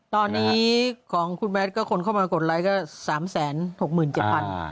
ตอนนี้ของคุณแมทก็คนเข้ามากดไลค์ก็๓๖๗๐๐บาท